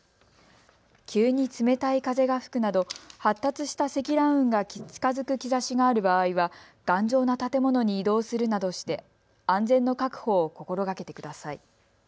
急に冷たい風が吹くなど発達した積乱雲が近づく兆しがある場合は頑丈な建物に移動するなどして安全の確保を心がけてください。